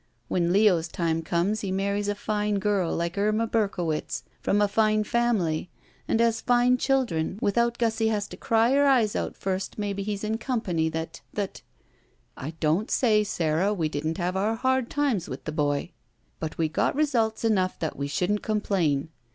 When Leo's time comes he marries a fine girl like Lma Berkowitz from a fine family, and has fine children, without Gussie has to cry her eyes out first maybe he's in company that — ^that —" "I don't say, Sara, we didn't have our hard times with your boy. But we got results enough that we shouldn't complain.